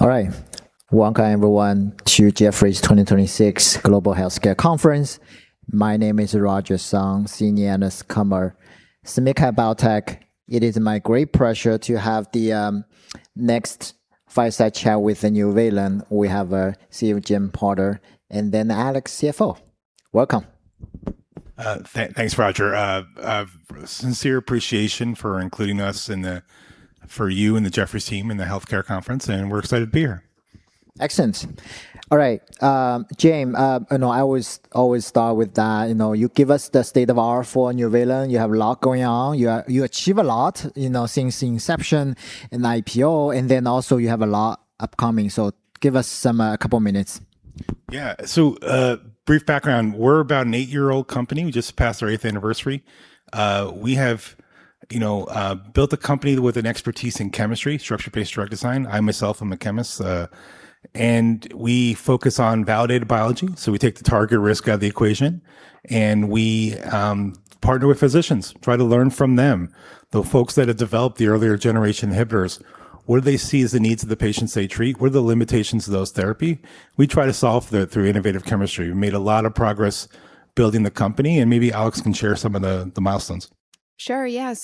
All right. Welcome, everyone, to Jefferies 2026 Global Healthcare Conference. My name is Roger Song, Senior Analyst, cover SMID-cap Biotech. It is my great pleasure to have the next fireside chat with Nuvalent. We have CEO Jim Porter, and then Alex, CFO. Welcome. Thanks, Roger. Sincere appreciation for including us, for you and the Jefferies team in the healthcare conference, and we're excited to be here. Excellent. All right. Jim, I know I always start with that. You give us the state of our Nuvalent. You have a lot going on. You achieve a lot since the inception and IPO, and then also you have a lot upcoming. Give us a couple of minutes. Brief background. We're about an eight-year-old company. We just passed our eighth anniversary. We have built a company with an expertise in chemistry, structure-based drug design. I myself am a chemist. We focus on validated biology, so we take the target risk out of the equation, and we partner with physicians, try to learn from them. The folks that have developed the earlier generation inhibitors, what do they see as the needs of the patients they treat? What are the limitations of those therapy? We try to solve that through innovative chemistry. We've made a lot of progress building the company, and maybe Alex can share some of the milestones. Sure, yeah.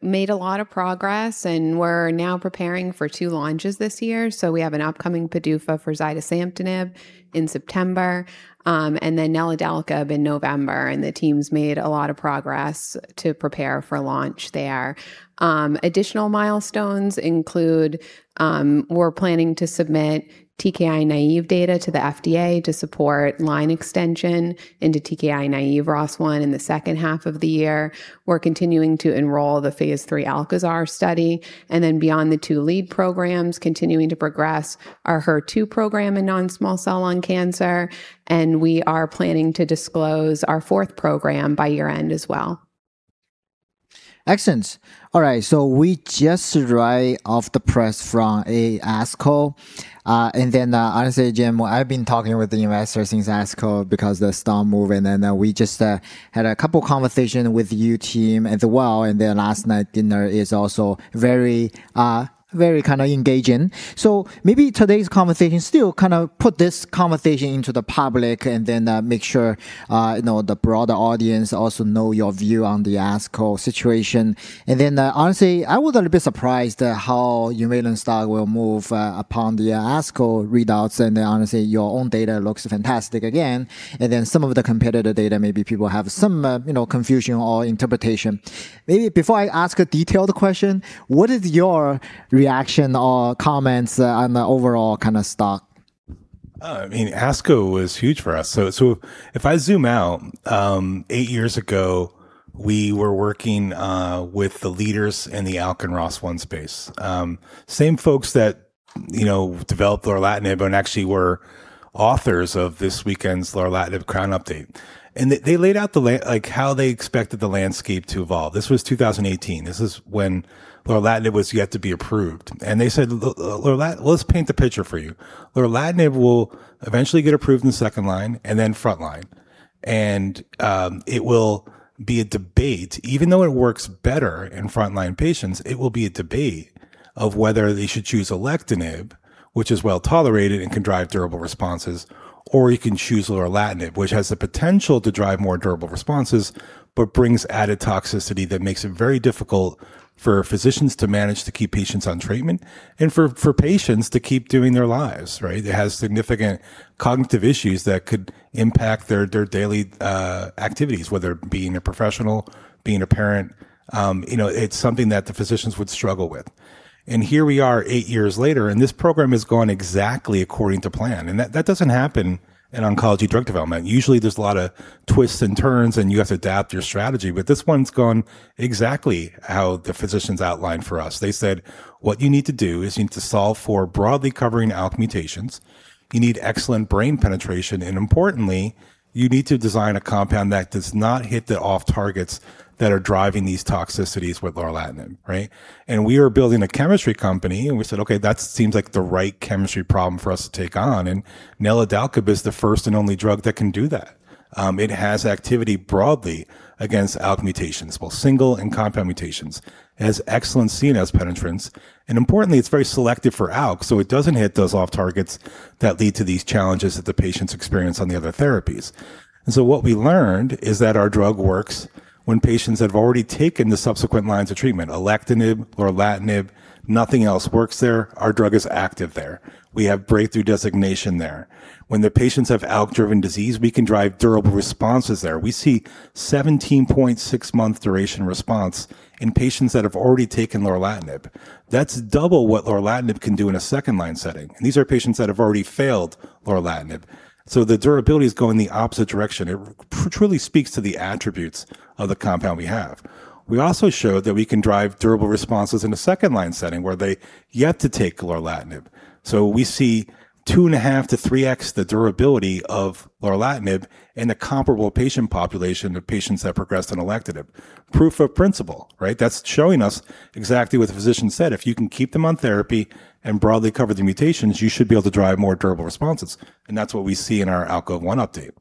Made a lot of progress, and we're now preparing for two launches this year. We have an upcoming PDUFA for zidesamtinib in September, and then neladalkib in November, and the team's made a lot of progress to prepare for launch there. Additional milestones include, we're planning to submit TKI-naive data to the FDA to support line extension into TKI-naive ROS1 in the second half of the year. We're continuing to enroll the phase III ALKAZAR study, and then beyond the two lead programs, continuing to progress our HER2 program in non-small cell lung cancer, and we are planning to disclose our fourth program by year-end as well. Excellent. All right. We just right off the press from ASCO. Honestly, Jim, I've been talking with the investors since ASCO because the stock moving, we just had a couple conversation with your team as well, last night dinner is also very engaging. Maybe today's conversation still put this conversation into the public make sure the broader audience also know your view on the ASCO situation. Honestly, I was a little bit surprised how Nuvalent stock will move upon the ASCO readouts, honestly, your own data looks fantastic again. Some of the competitor data, maybe people have some confusion or interpretation. Maybe before I ask a detailed question, what is your reaction or comments on the overall stock? ASCO was huge for us. If I zoom out, eight years ago, we were working with the leaders in the ALK and ROS1 space. Same folks that developed lorlatinib and actually were authors of this weekend's lorlatinib CROWN update. They laid out how they expected the landscape to evolve. This was 2018. This is when lorlatinib was yet to be approved. They said, "Let's paint the picture for you. Lorlatinib will eventually get approved in the second line and then front line. It will be a debate, even though it works better in front line patients, it will be a debate of whether they should choose alectinib, which is well-tolerated and can drive durable responses, or you can choose lorlatinib, which has the potential to drive more durable responses, but brings added toxicity that makes it very difficult for physicians to manage to keep patients on treatment, and for patients to keep doing their lives," right? It has significant cognitive issues that could impact their daily activities, whether being a professional, being a parent. It's something that the physicians would struggle with. Here we are eight years later, and this program has gone exactly according to plan. That doesn't happen in oncology drug development. Usually, there's a lot of twists and turns, and you have to adapt your strategy. This one's gone exactly how the physicians outlined for us. They said, "What you need to do is you need to solve for broadly covering ALK mutations. You need excellent brain penetration, and importantly, you need to design a compound that does not hit the off targets that are driving these toxicities with lorlatinib," right? We are building a chemistry company, and we said, "Okay, that seems like the right chemistry problem for us to take on." Neladalkib is the first and only drug that can do that. It has activity broadly against ALK mutations, both single and compound mutations. It has excellent CNS penetrance. Importantly, it's very selective for ALK, so it doesn't hit those off targets that lead to these challenges that the patients experience on the other therapies. What we learned is that our drug works when patients have already taken the subsequent lines of treatment, alectinib or lorlatinib, nothing else works there. Our drug is active there. We have breakthrough designation there. When the patients have ALK-driven disease, we can drive durable responses there. We see 17.6 month duration response in patients that have already taken lorlatinib. That's double what lorlatinib can do in a second line setting. These are patients that have already failed lorlatinib. The durability is going the opposite direction. It truly speaks to the attributes of the compound we have. We also showed that we can drive durable responses in a second line setting where they yet to take lorlatinib. We see 2.5x to 3x the durability of lorlatinib in the comparable patient population of patients that progressed on alectinib. Proof of principle, right? That's showing us exactly what the physician said. If you can keep them on therapy and broadly cover the mutations, you should be able to drive more durable responses. That's what we see in our ALKOVE-1 update.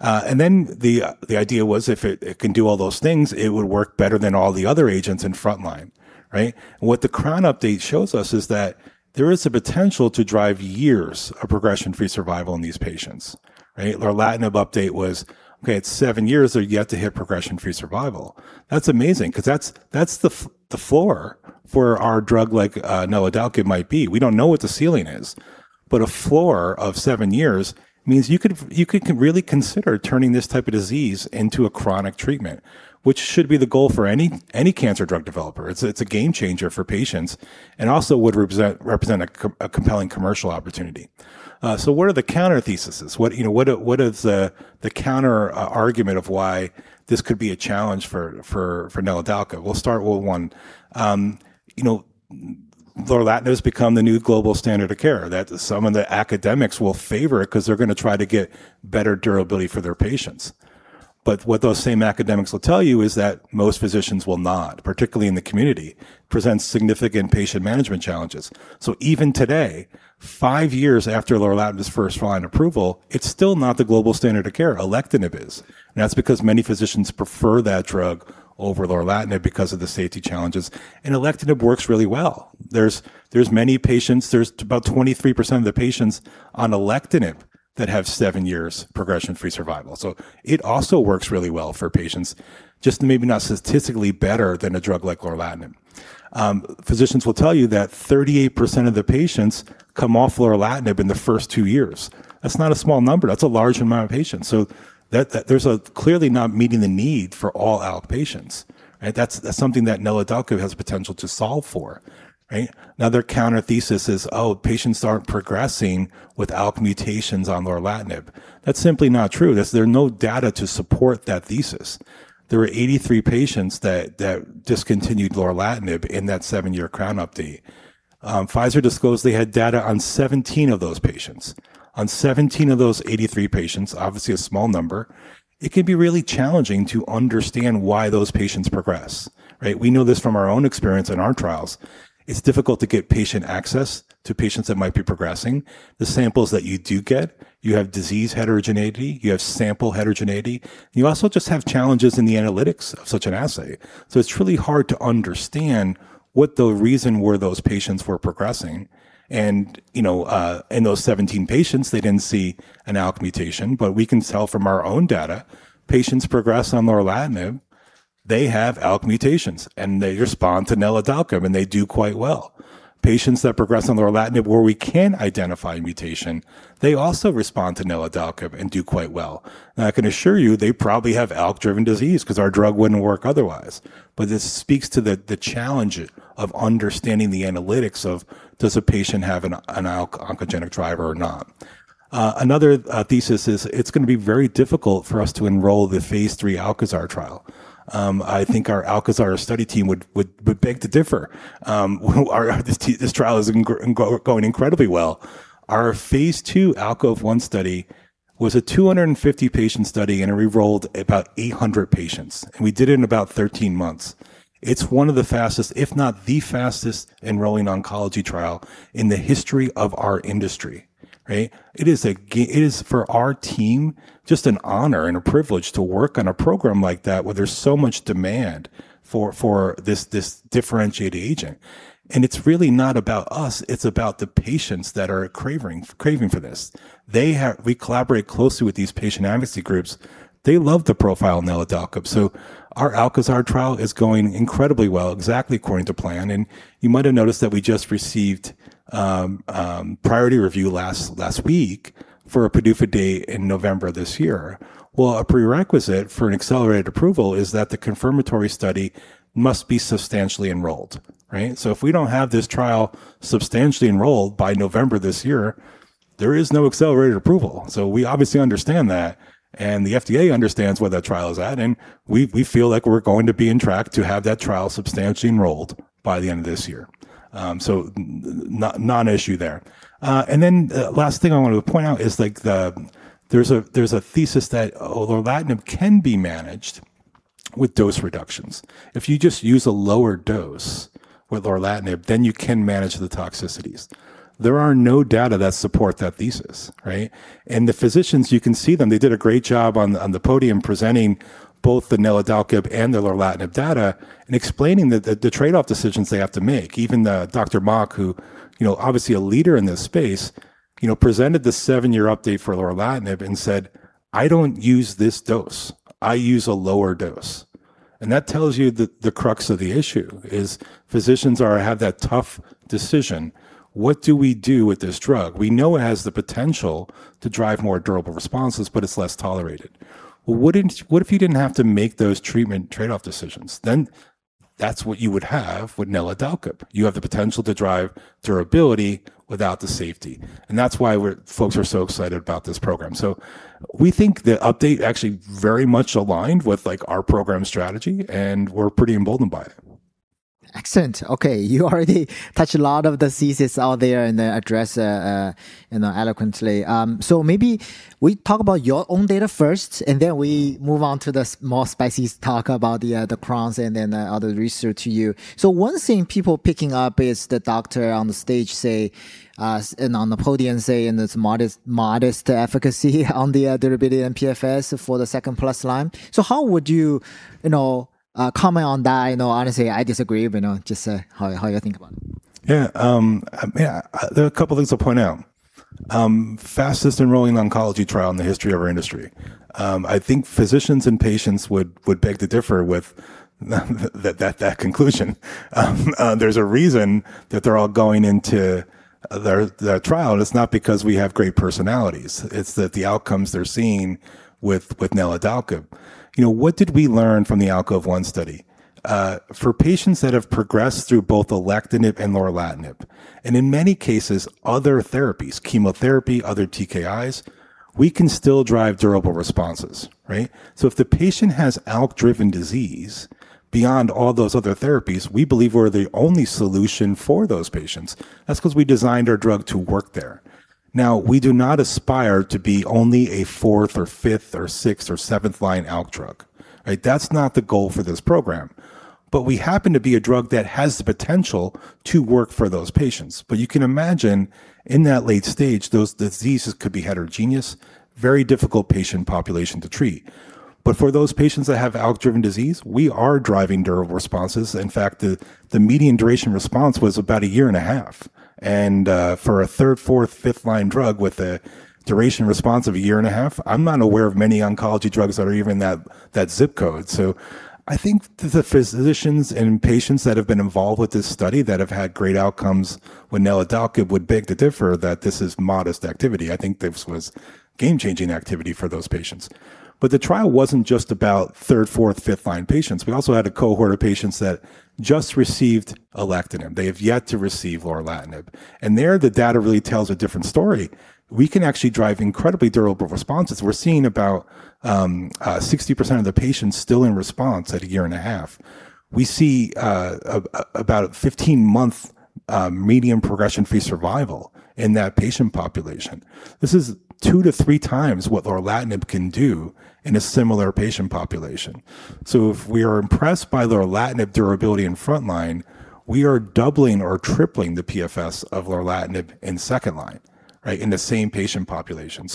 Then the idea was if it can do all those things, it would work better than all the other agents in front line, right? What the CROWN update shows us is that there is a potential to drive years of progression-free survival in these patients, right? lorlatinib update was, okay, it's seven years, so you have to hit progression-free survival. That's amazing because that's the floor for our drug, like neladalkib might be. We don't know what the ceiling is, but a floor of seven years means you could really consider turning this type of disease into a chronic treatment, which should be the goal for any cancer drug developer. It's a game changer for patients, and also would represent a compelling commercial opportunity. What are the counter theses? What is the counterargument of why this could be a challenge for neladalkib? We'll start with one. lorlatinib has become the new global standard of care, that some of the academics will favor it because they're going to try to get better durability for their patients. What those same academics will tell you is that most physicians will not, particularly in the community, presents significant patient management challenges. Even today, five years after lorlatinib's first-line approval, it's still not the global standard of care. alectinib is. That's because many physicians prefer that drug over lorlatinib because of the safety challenges, and alectinib works really well. There's about 23% of the patients on alectinib that have seven years progression-free survival. It also works really well for patients, just maybe not statistically better than a drug like lorlatinib. Physicians will tell you that 38% of the patients come off lorlatinib in the first two years. That's not a small number. That's a large amount of patients. That's clearly not meeting the need for all ALK patients, right? That's something that neladalkib has potential to solve for, right? Another counter thesis is, patients aren't progressing with ALK mutations on lorlatinib. That's simply not true. There's no data to support that thesis. There were 83 patients that discontinued lorlatinib in that seven-year CROWN update. Pfizer disclosed they had data on 17 of those patients. On 17 of those 83 patients, obviously a small number, it can be really challenging to understand why those patients progress, right? We know this from our own experience in our trials. It's difficult to get patient access to patients that might be progressing. The samples that you do get, you have disease heterogeneity, you have sample heterogeneity, and you also just have challenges in the analytics of such an assay. It's really hard to understand what the reason were those patients were progressing and, in those 17 patients, they didn't see an ALK mutation, but we can tell from our own data, patients progress on lorlatinib. They have ALK mutations, and they respond to neladalkib, and they do quite well. Patients that progress on lorlatinib where we can identify a mutation, they also respond to neladalkib and do quite well. I can assure you, they probably have ALK-driven disease because our drug wouldn't work otherwise. This speaks to the challenge of understanding the analytics of does a patient have an oncogenic driver or not. Another thesis is it's going to be very difficult for us to enroll the phase III ALKAZAR trial. I think our ALKAZAR study team would beg to differ. This trial is going incredibly well. Our phase II ALKOVE-1 study was a 250-patient study, and we enrolled about 800 patients, and we did it in about 13 months. It's one of the fastest, if not the fastest enrolling oncology trial in the history of our industry, right? It is, for our team, just an honor and a privilege to work on a program like that where there's so much demand for this differentiated agent. It's really not about us, it's about the patients that are craving for this. We collaborate closely with these patient advocacy groups. They love the profile neladalkib. Our ALKAZAR trial is going incredibly well, exactly according to plan, and you might have noticed that we just received Priority Review last week for a PDUFA date in November this year. A prerequisite for an Accelerated Approval is that the confirmatory study must be substantially enrolled, right? If we don't have this trial substantially enrolled by November this year, there is no Accelerated Approval. We obviously understand that, and the FDA understands where that trial is at, and we feel like we're going to be on track to have that trial substantially enrolled by the end of this year. Non-issue there. Last thing I wanted to point out is there's a thesis that although lorlatinib can be managed with dose reductions. If you just use a lower dose with lorlatinib, then you can manage the toxicities. There are no data that support that thesis, right? The physicians, you can see them, they did a great job on the podium presenting both the neladalkib and the lorlatinib data and explaining the trade-off decisions they have to make. Even Dr. Mok, who obviously a leader in this space, presented the seven-year update for lorlatinib and said, "I don't use this dose. I use a lower dose." That tells you the crux of the issue is physicians have that tough decision. What do we do with this drug? We know it has the potential to drive more durable responses, but it's less tolerated. Well, what if you didn't have to make those treatment trade-off decisions? That's what you would have with neladalkib. You have the potential to drive durability without the safety, and that's why folks are so excited about this program. We think the update actually very much aligned with our program strategy, and we're pretty emboldened by it. Excellent. Okay. You already touched a lot of the thesis out there and addressed eloquently. Maybe we talk about your own data first, and then we move on to the more spicy talk about the CROWN and then other research to you. One thing people picking up is the Doctor on the stage and on the podium say it's modest efficacy on the durability and PFS for the second plus line. How would you comment on that? Honestly, I disagree, but just how you think about it? There are a couple things I'll point out. Fastest enrolling oncology trial in the history of our industry. I think physicians and patients would beg to differ with that conclusion. There's a reason that they're all going into their trial, and it's not because we have great personalities. It's that the outcomes they're seeing with neladalkib. What did we learn from the ALKOVE-1 study? For patients that have progressed through both alectinib and lorlatinib, and in many cases, other therapies, chemotherapy, other TKIs, we can still drive durable responses. Right? If the patient has ALK-driven disease, beyond all those other therapies, we believe we're the only solution for those patients. That's because we designed our drug to work there. We do not aspire to be only a fourth or fifth or sixth or seventh-line ALK drug. Right? That's not the goal for this program. We happen to be a drug that has the potential to work for those patients. You can imagine, in that late stage, those diseases could be heterogeneous, very difficult patient population to treat. For those patients that have ALK-driven disease, we are driving durable responses. In fact, the median duration of response was about a year and a half. For a third, fourth, fifth-line drug with a duration of response of a year and a half, I'm not aware of many oncology drugs that are even in that zip code. I think the physicians and patients that have been involved with this study that have had great outcomes with neladalkib would beg to differ that this is modest activity. I think this was game-changing activity for those patients. The trial wasn't just about third, fourth, fifth-line patients. We also had a cohort of patients that just received alectinib. They have yet to receive lorlatinib. There, the data really tells a different story. We can actually drive incredibly durable responses. We're seeing about 60% of the patients still in response at a year and a half. We see about a 15-month median progression-free survival in that patient population. This is 2x-3x what lorlatinib can do in a similar patient population. If we are impressed by lorlatinib durability in frontline, we are doubling or tripling the PFS of lorlatinib in second line, right, in the same patient population.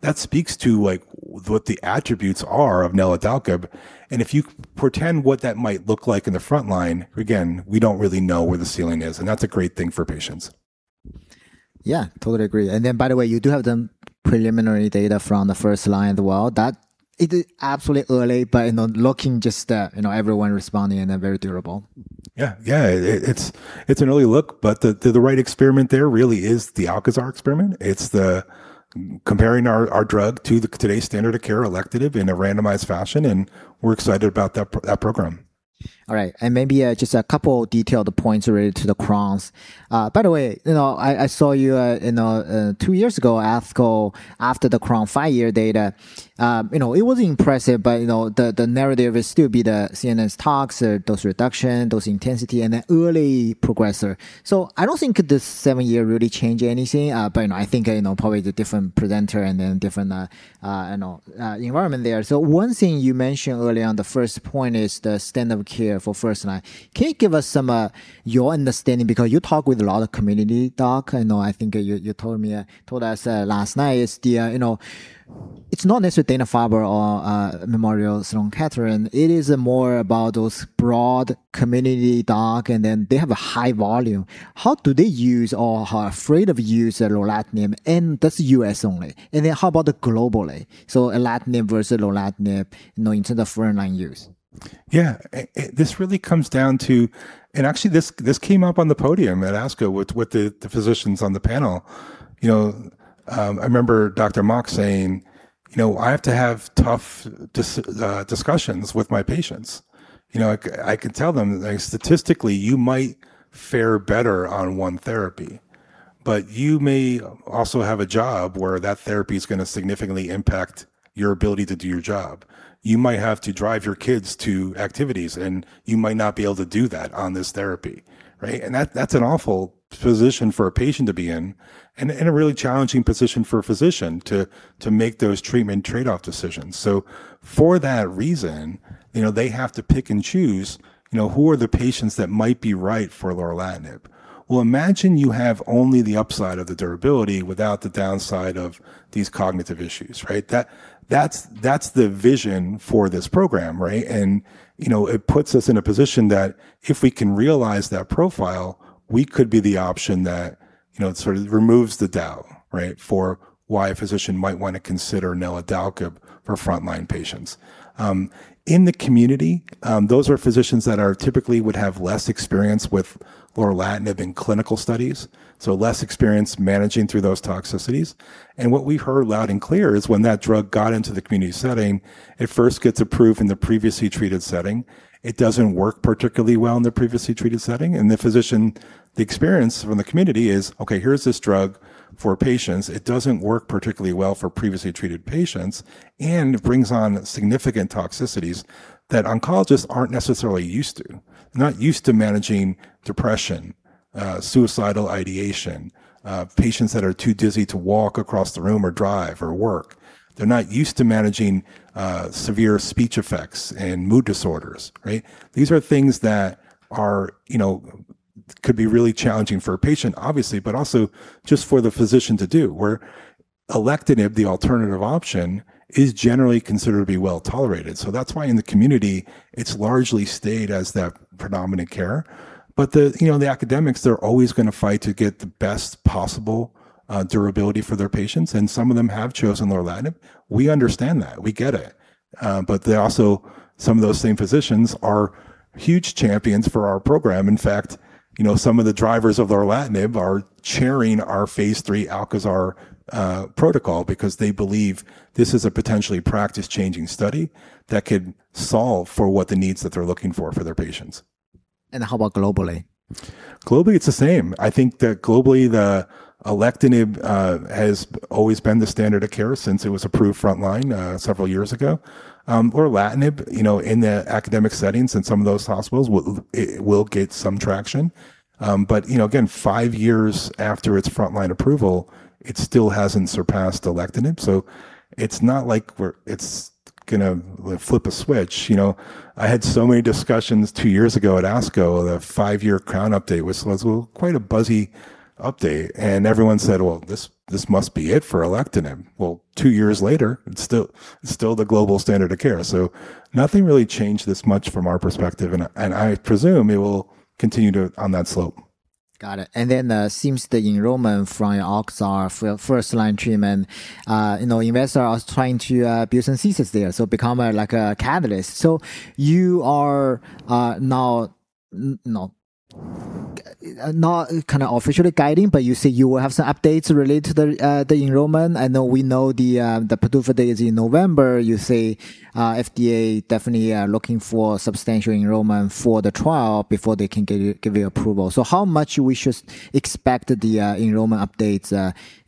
That speaks to what the attributes are of neladalkib, and if you portend what that might look like in the frontline, again, we don't really know where the ceiling is, and that's a great thing for patients. Yeah, totally agree. By the way, you do have the preliminary data from the first line as well. That it is absolutely early, but looking just everyone responding, and they're very durable. Yeah. It's an early look, but the right experiment there really is the ALKAZAR experiment. It's the comparing our drug to today's standard of care, alectinib, in a randomized fashion, and we're excited about that program. All right. Maybe just a couple detailed points related to the CROWNs. By the way, I saw you two years ago at ASCO after the CROWN five-year data. It was impressive, the narrative will still be the CNS tox, dose reduction, dose intensity, and the early progressor. I don't think this seven-year really change anything, but I think probably the different presenter and then different environment there. One thing you mentioned early on, the first point is the standard of care for first-line. Can you give us some your understanding, because you talk with a lot of community doc. I think you told us last night is it's not necessarily Dana-Farber or Memorial Sloan Kettering, it is more about those broad community doc, and then they have a high volume. How do they use or how afraid of use lorlatinib, and that's U.S. only? How about globally? Alectinib versus lorlatinib into the frontline use. Yeah. This really comes down to. Actually, this came up on the podium at ASCO with the physicians on the panel. I remember Dr. Mok saying, "I have to have tough discussions with my patients. I can tell them statistically you might fare better on one therapy, but you may also have a job where that therapy's going to significantly impact your ability to do your job. You might have to drive your kids to activities, and you might not be able to do that on this therapy." Right? That's an awful position for a patient to be in and a really challenging position for a physician to make those treatment trade-off decisions. For that reason, they have to pick and choose who are the patients that might be right for lorlatinib. Well, imagine you have only the upside of the durability without the downside of these cognitive issues, right? That's the vision for this program, right? It puts us in a position that if we can realize that profile, we could be the option that sort of removes the doubt, right, for why a physician might want to consider neladalkib for frontline patients. In the community, those are physicians that are typically would have less experience with lorlatinib in clinical studies, so less experience managing through those toxicities. What we've heard loud and clear is when that drug got into the community setting, it first gets approved in the previously treated setting. It doesn't work particularly well in the previously treated setting, and the physician, the experience from the community is, "Okay, here's this drug for patients. It doesn't work particularly well for previously treated patients, and it brings on significant toxicities that oncologists aren't necessarily used to. They're not used to managing depression, suicidal ideation, patients that are too dizzy to walk across the room or drive or work. They're not used to managing severe speech effects and mood disorders, right? These are things that could be really challenging for a patient, obviously, but also just for the physician to do where alectinib, the alternative option, is generally considered to be well-tolerated. That's why in the community, it's largely stayed as that predominant care. The academics, they're always going to fight to get the best possible durability for their patients, and some of them have chosen lorlatinib. We understand that. We get it. Also, some of those same physicians are huge champions for our program. In fact, some of the drivers of lorlatinib are chairing our phase III ALKAZAR protocol because they believe this is a potentially practice-changing study that could solve for what the needs that they're looking for their patients. How about globally? Globally, it's the same. I think that globally, the alectinib has always been the standard of care since it was approved frontline several years ago. lorlatinib, in the academic settings in some of those hospitals, will get some traction. Again, five years after its frontline approval, it still hasn't surpassed alectinib. It's not like it's going to flip a switch. I had so many discussions two years ago at ASCO, the five-year CROWN update, which was quite a buzzy update, and everyone said, "Well, this must be it for alectinib." Two years later, it's still the global standard of care. Nothing really changed this much from our perspective, and I presume it will continue on that slope. Got it. Seems the enrollment from ALKAZAR first-line treatment, investor was trying to build some thesis there, so become a catalyst. You are now not officially guiding, but you say you will have some updates related to the enrollment. I know we know the PDUFA date is in November. You say FDA definitely are looking for substantial enrollment for the trial before they can give you approval. How much we should expect the enrollment updates,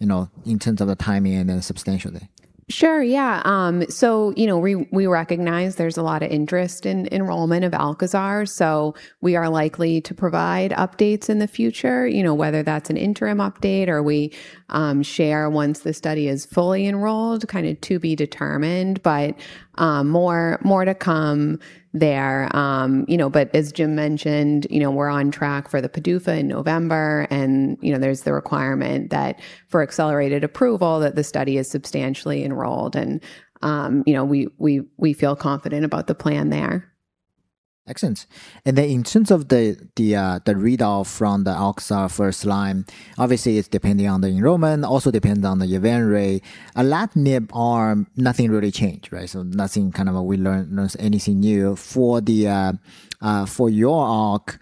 in terms of the timing and then substantially? Sure. Yeah. We recognize there's a lot of interest in enrollment of ALKAZAR, we are likely to provide updates in the future, whether that's an interim update or we share once the study is fully enrolled, kind of to be determined. More to come there. As Jim mentioned, we're on track for the PDUFA in November, and there's the requirement that for Accelerated Approval, that the study is substantially enrolled. We feel confident about the plan there. Excellent. In terms of the readout from the ALKAZAR first line, obviously, it's depending on the enrollment, also depending on the event rate. A lorlatinib arm, nothing really changed, right? Nothing we learned anything new. For your ALK,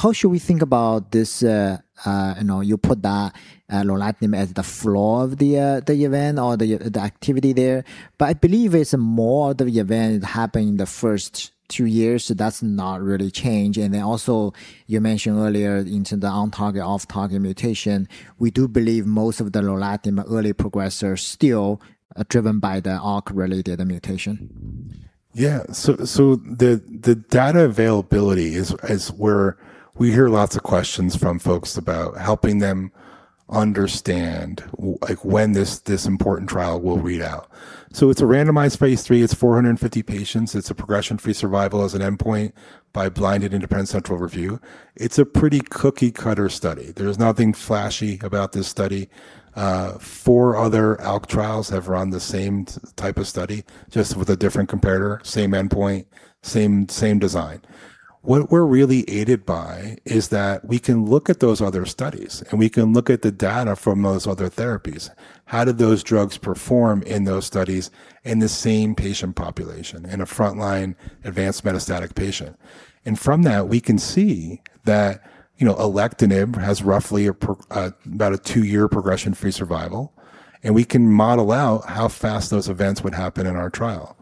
how should we think about this, you put that lorlatinib as the floor of the event or the activity there. I believe it's more the event happened in the first two years, that's not really changed. Also, you mentioned earlier into the on-target, off-target mutation. We do believe most of the lorlatinib early progressors still are driven by the ALK-related mutation. Yeah. The data availability is where we hear lots of questions from folks about helping them understand when this important trial will read out. It's a randomized phase III. It's 450 patients. It's a progression-free survival as an endpoint by blinded independent central review. It's a pretty cookie-cutter study. There's nothing flashy about this study. Four other ALK trials have run the same type of study, just with a different comparator, same endpoint, same design. What we're really aided by is that we can look at those other studies, and we can look at the data from those other therapies. How did those drugs perform in those studies in the same patient population, in a frontline advanced metastatic patient? From that, we can see that alectinib has roughly about a two-year progression-free survival. We can model out how fast those events would happen in our trial.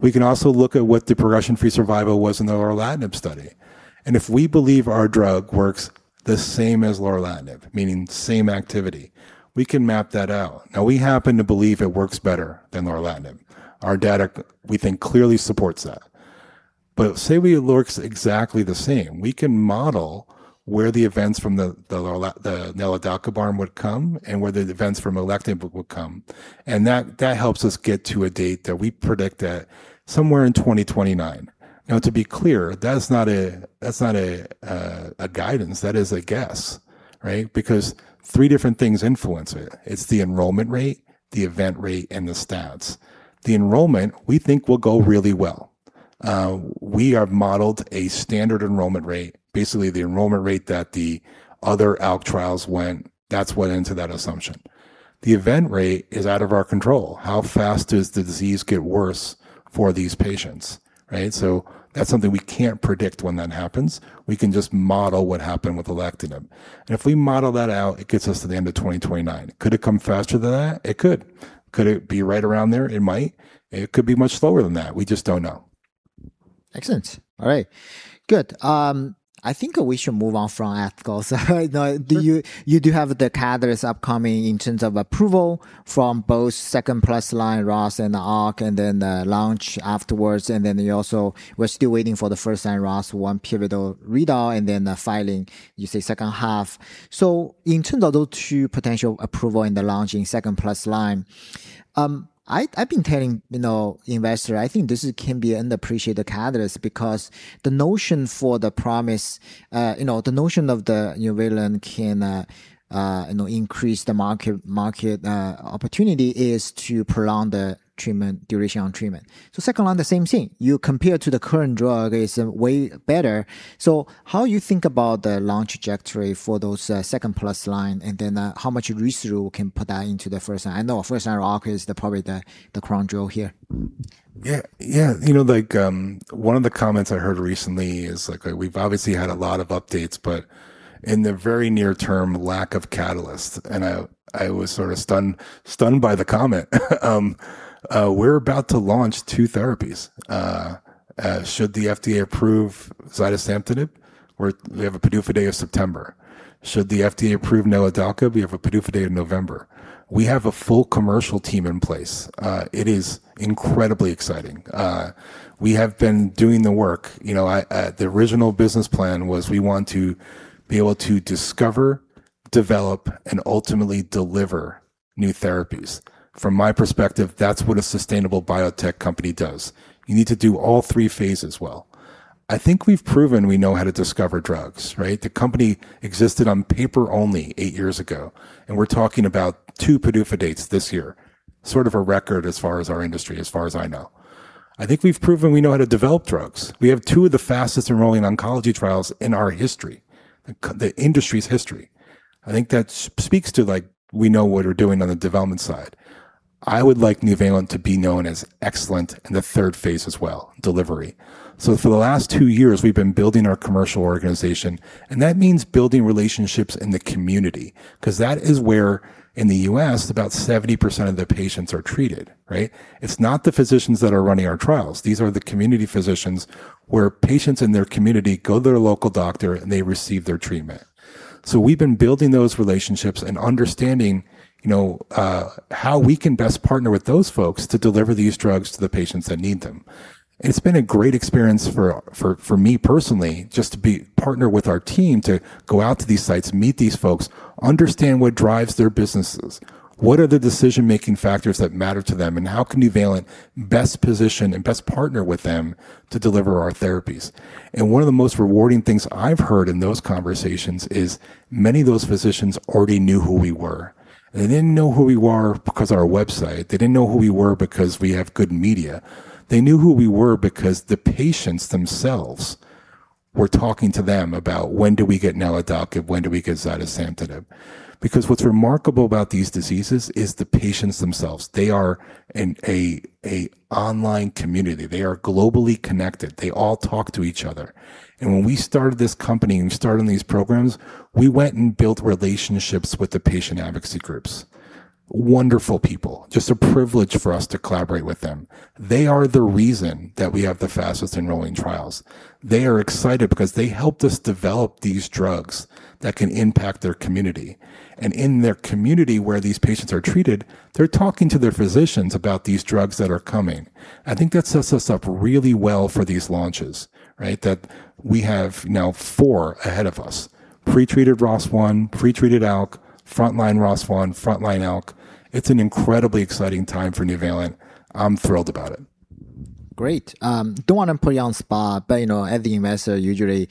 We can also look at what the progression-free survival was in the lorlatinib study. If we believe our drug works the same as lorlatinib, meaning same activity, we can map that out. Now, we happen to believe it works better than lorlatinib. Our data, we think, clearly supports that. Say it works exactly the same. We can model where the events from the neladalkib arm would come and where the events from alectinib would come. That helps us get to a date that we predict at somewhere in 2029. Now, to be clear, that's not a guidance. That is a guess, right? Because three different things influence it. It's the enrollment rate, the event rate, and the stats. The enrollment, we think, will go really well. We have modeled a standard enrollment rate, basically the enrollment rate that the other ALK trials went. That's what entered that assumption. The event rate is out of our control. How fast does the disease get worse for these patients, right? That's something we can't predict when that happens. We can just model what happened with alectinib. If we model that out, it gets us to the end of 2029. Could it come faster than that? It could. Could it be right around there? It might. It could be much slower than that. We just don't know. Excellent. All right. Good. I think we should move on from ALK. You do have the catalyst upcoming in terms of approval from both second-plus line ROS1 and ALK, the launch afterwards. You also were still waiting for the first-line ROS1 pivotal readout, the filing, you say second half. In terms of those two potential approval in the launching second-plus line, I've been telling investor, I think this can be an underappreciated catalyst because the notion for the promise, the notion of Nuvalent can increase the market opportunity is to prolong the duration on treatment. Second line, the same thing. You compare to the current drug is way better. How you think about the launch trajectory for those second-plus line, how much reach through can put that into the first line? I know first line HK is probably the crown jewel here. Yeah. One of the comments I heard recently is, we've obviously had a lot of updates, but in the very near term, lack of catalyst. I was sort of stunned by the comment. We're about to launch two therapies. Should the FDA approve zidesamtinib, we have a PDUFA date of September. Should the FDA approve neladalkib, we have a PDUFA date of November. We have a full commercial team in place. It is incredibly exciting. We have been doing the work. The original business plan was we want to be able to discover, develop, and ultimately deliver new therapies. From my perspective, that's what a sustainable biotech company does. You need to do all three phases well. I think we've proven we know how to discover drugs, right? The company existed on paper only eight years ago, and we're talking about two PDUFA dates this year. Sort of a record as far as our industry, as far as I know. I think we've proven we know how to develop drugs. We have two of the fastest enrolling oncology trials in our history, the industry's history. I think that speaks to we know what we're doing on the development side. I would like Nuvalent to be known as excellent in the phase III as well, delivery. For the last two years, we've been building our commercial organization, and that means building relationships in the community. That is where in the U.S., about 70% of the patients are treated, right? It's not the physicians that are running our trials. These are the community physicians where patients in their community go to their local doctor, and they receive their treatment. We've been building those relationships and understanding how we can best partner with those folks to deliver these drugs to the patients that need them. It's been a great experience for me personally, just to be partner with our team, to go out to these sites, meet these folks, understand what drives their businesses, what are the decision-making factors that matter to them, and how can Nuvalent best position and best partner with them to deliver our therapies. One of the most rewarding things I've heard in those conversations is, many of those physicians already knew who we were. They didn't know who we were because our website, they didn't know who we were because we have good media. They knew who we were because the patients themselves were talking to them about when do we get neladalkib, when do we get zidesamtinib? What is remarkable about these diseases is the patients themselves. They are an online community. They are globally connected. They all talk to each other. When we started this company and we started on these programs, we went and built relationships with the patient advocacy groups. Wonderful people. Just a privilege for us to collaborate with them. They are the reason that we have the fastest enrolling trials. They are excited because they helped us develop these drugs that can impact their community. In their community where these patients are treated, they are talking to their physicians about these drugs that are coming. I think that sets us up really well for these launches, right? That we have now four ahead of us. Pre-treated ROS1, pre-treated ALK, frontline ROS1, frontline ALK. It is an incredibly exciting time for Nuvalent. I am thrilled about it. Great. Don't want to put you on spot, as the investor usually,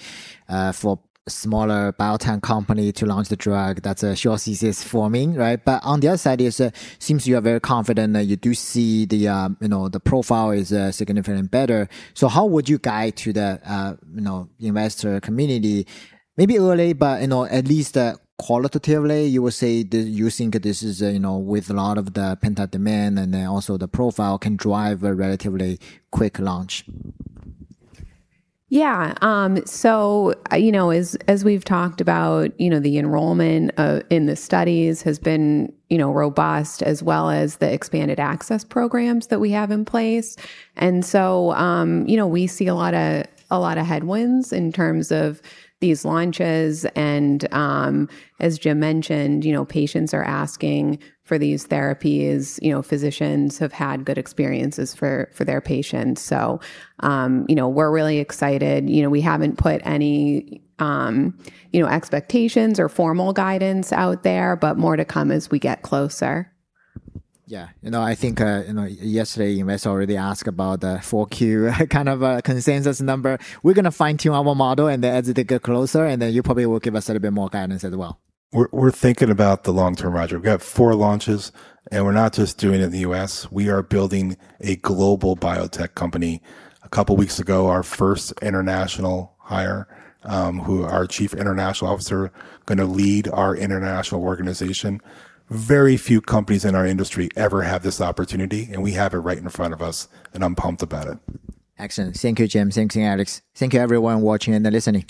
for smaller biotech company to launch the drug, that's a sure CC is forming, right? On the other side, it seems you are very confident that you do see the profile is significantly better. How would you guide to the investor community, maybe early, but at least qualitatively, you would say that you think this is with a lot of the pent-up demand and then also the profile can drive a relatively quick launch? Yeah. As we've talked about, the enrollment in the studies has been robust, as well as the expanded access programs that we have in place. We see a lot of tailwinds in terms of these launches and, as Jim mentioned, patients are asking for these therapies, physicians have had good experiences for their patients. We're really excited. We haven't put any expectations or formal guidance out there, but more to come as we get closer. Yeah. I think, yesterday you must already ask about the four Q kind of a consensus number. We're going to fine tune our model and as it get closer, and then you probably will give us a little bit more guidance as well. We're thinking about the long term, Roger. We've got four launches, and we're not just doing it in the U.S. We are building a global biotech company. A couple of weeks ago, our first international hire, who our Chief International Officer, going to lead our international organization. Very few companies in our industry ever have this opportunity, and we have it right in front of us, and I'm pumped about it. Excellent. Thank you, Jim. Thanks, Alex. Thank you everyone watching and listening.